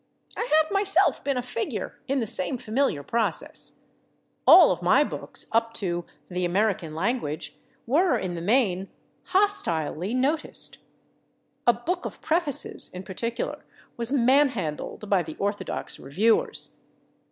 I have myself been a figure in the same familiar process. All of my books up to "The American Language" were, in the main, hostilely noticed. "A Book of Prefaces," in particular, was manhandled by the orthodox reviewers.